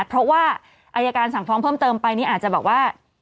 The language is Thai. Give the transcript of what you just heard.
เพราะว่าอายการสั่งฟ้องเพิ่มเติมไปนี่อาจจะแบบว่า